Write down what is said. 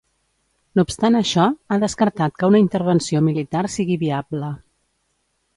No obstant això, ha descartat que una intervenció militar sigui viable.